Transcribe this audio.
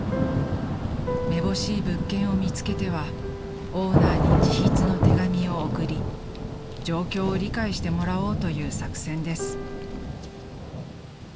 ［めぼしい物件を見つけてはオーナーに自筆の手紙を送り状況を理解してもらおうという作戦です］